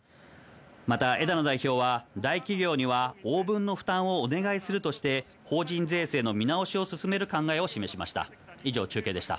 また枝野代表は、大企業には応分の負担をお願いするとして、法人税制の見直しを進める考えを示しました。